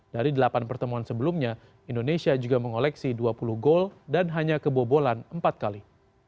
dari delapan pertemuan sebelumnya indonesia juga mengoleksi dua puluh gol dan hanya kebobolan empat kali